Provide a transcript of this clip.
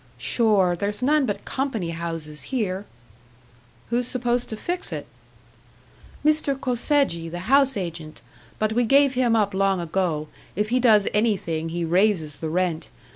"Sure, there's none but company houses here." "Who's supposed to fix it?" "Mr. Kosegi, the house agent. But we gave him up long ago if he does anything, he raises the rent.